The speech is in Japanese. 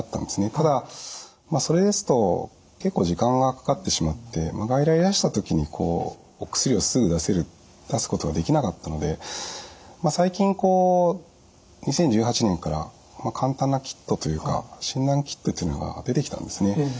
ただそれですと結構時間がかかってしまって外来いらした時にお薬をすぐ出すことができなかったので最近こう２０１８年から簡単なキットというか診断キットというのが出てきたんですね。